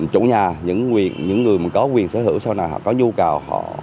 chủ nhà những người có quyền sở hữu sau nào họ có nhu cầu